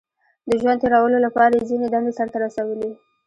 • د ژوند تېرولو لپاره یې ځینې دندې سر ته رسولې.